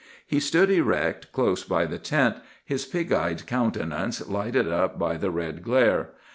"He stood erect, close by the tent, his pig eyed countenance lighted up by the red glare.